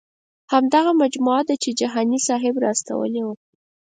همدغه مجموعه ده چې جهاني صاحب را استولې وه.